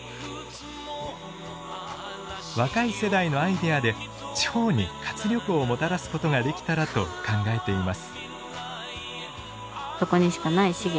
若い世代のアイデアで地方に活力をもたらすことができたらと考えています。